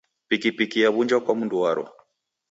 Pikipiki yaw'unjwa kwa mndu waro.